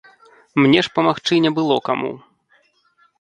Мне ж памагчы не было каму.